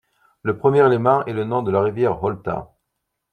Le premier élément est le nom de la rivière Holta.